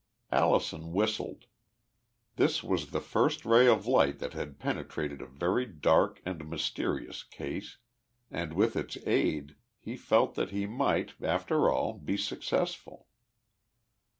Allison whistled. This was the first ray of light that had penetrated a very dark and mysterious case, and, with its aid, he felt that he might, after all, be successful.